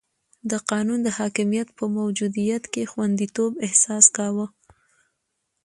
د قانون د حاکمیت په موجودیت کې خونديتوب احساس کاوه.